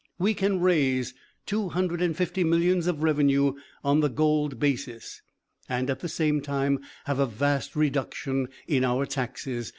We can raise two hundred and fifty millions of revenue on the gold basis, and at the same time have a vast reduction in our taxes.